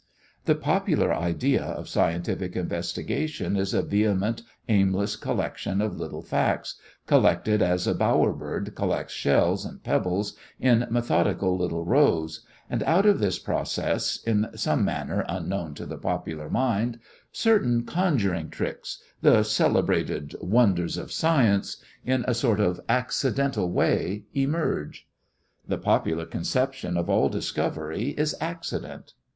The popular idea of scientific investigation is a vehement, aimless collection of little facts, collected as a bower bird collects shells and pebbles, in methodical little rows, and out of this process, in some manner unknown to the popular mind, certain conjuring tricks the celebrated "wonders of science" in a sort of accidental way emerge. The popular conception of all discovery is accident.